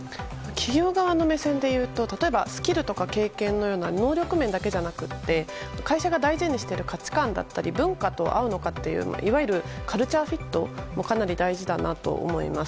企業側の目線でいうと例えば、スキルとか経験のような能力面だけじゃなくて会社が大事にしている価値観だったり文化と合うのかといういわゆるカルチャーフィットもかなり大事だなと思います。